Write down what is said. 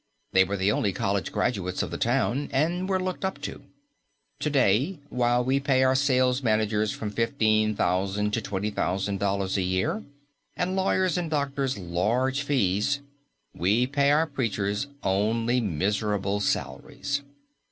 They were the only college graduates of the town and were looked up to. To day, while we pay our salesmanagers from $15,000 to $20,000 a year, and lawyers and doctors large fees, we pay our preachers only miserable salaries.